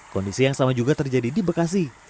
kondisi yang sama juga terjadi di bekasi